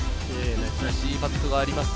惜しいパットがありました。